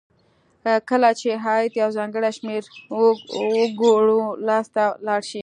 کله چې عاید یو ځانګړي شمیر وګړو لاس ته لاړ شي.